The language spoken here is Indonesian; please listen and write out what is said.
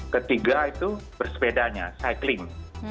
ketiga itu bersepedanya cycling